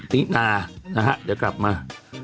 ตินานะฮะเดี๋ยวกลับมา